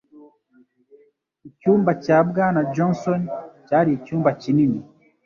Icyumba cya Bwana Johnson cyari icyumba kinini.